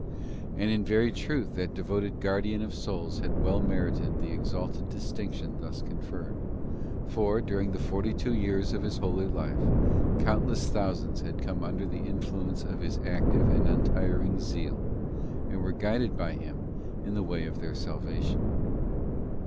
And in very truth that devoted guardian of souls had well merited the exalted distinction thus conferred; for, during the forty two years of his holy life, countless thousands had come under the influence of his active and untiring zeal, and were guided by him in the way of their salvation.